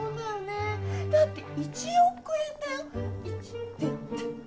だって１億円だよ。